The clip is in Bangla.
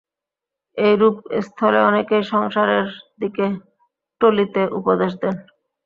এরূপস্থলে অনেকেই সংসারের দিকে টলিতে উপদেশ দেন।